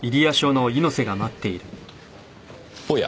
おや。